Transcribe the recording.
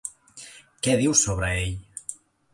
Què diu sobre ell?